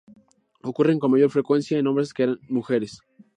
Ocurren con mayor frecuencia en hombres que en mujeres.